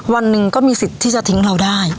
วันหนึ่งก็มีสิทธิ์ที่จะทิ้งเราได้